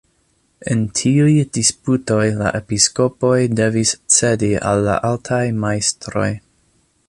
En tiuj disputoj la episkopoj devis cedi al la altaj majstroj.